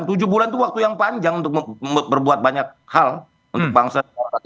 tujuh bulan itu waktu yang panjang untuk berbuat banyak hal untuk bangsa dan negara